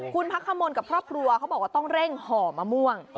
คุณพักขมลกับครอบครัวเขาบอกว่าต้องเร่งห่อมะม่วง